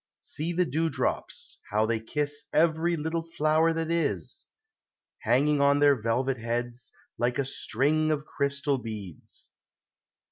See the dew drops, how tliey kiss Every little flower that is; Hanging on their velvet heads, 360 POEMS OF NATURE. Like a string of crystal beads.